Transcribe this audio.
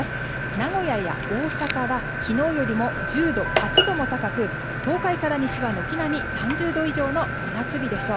名古屋や大阪は、昨日より１０度、８度も高く東海から西は軒並み３０度以上の真夏日でしょう。